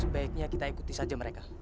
sebaiknya kita ikuti saja mereka